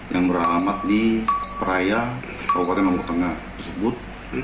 yang beralamat di peraya kabupaten lombok tengah tersebut